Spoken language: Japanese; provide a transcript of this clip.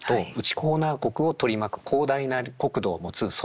ホーナー国を取り巻く広大な国土を持つ外